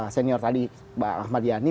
senior tadi mbak ahmad yani